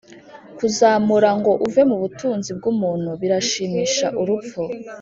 kuzamura ngo uve mu butunzi bwumuntu birashimisha urupfu